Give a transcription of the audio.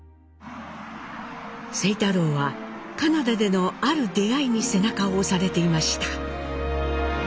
清太郎はカナダでのある出会いに背中を押されていました。